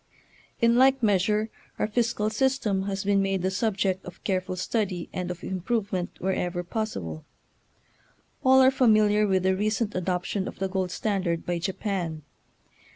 In like measure our fis cal system has been made the subject of careful study and of improvement wher ever possible. All are familiar with the recent adoption of the gold standard by Japan.